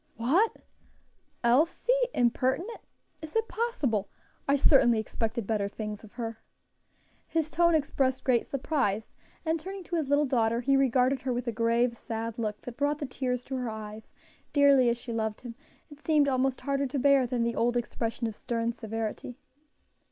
"What! Elsie impertinent! is it possible? I certainly expected better things of her." His tone expressed great surprise, and turning to his little daughter, he regarded her with a grave, sad look that brought the tears to her eyes; dearly as she loved him, it seemed almost harder to bear than the old expression of stern severity.